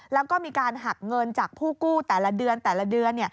แล้วก็มีการหักเงินจากผู้กู้แต่ละเดือนแต่ละเดือน